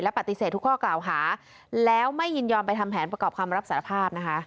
ปฏิเสธทุกข้อกล่าวหาแล้วไม่ยินยอมไปทำแผนประกอบคำรับสารภาพนะคะ